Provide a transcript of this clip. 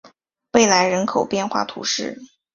贝莱人口变化图示